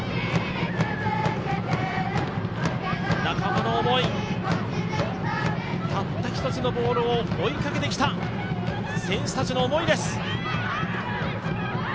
仲間の思い、たった一つのボールを追いかけてきた選手たちの思いです。